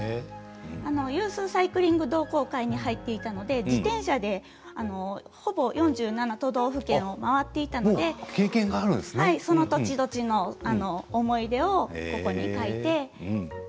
ユースサイクリング同好会に入っていたので自転車でほぼ４７都道府県を回っていたのでその土地土地の思い出をここに書いて。